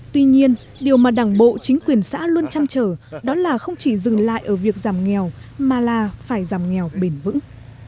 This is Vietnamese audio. tuy nhiên điều mà đảng bộ chính quyền xã luôn chăn trở đó là không chỉ dừng lại ở việc giảm nghèo mà là phải giảm nghèo bền vững